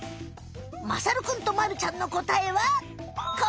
まさるくんとまるちゃんのこたえはここ！